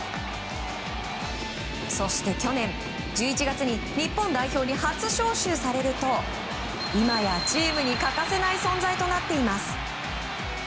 そして、去年１１月に日本代表に初召集されると今やチームに欠かせない存在となっています。